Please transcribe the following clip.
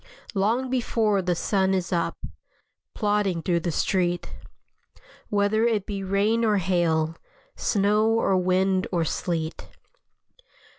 Long before the sun is up, Plodding through the street, Whether it be rain or hail, Snow or wind or sleet.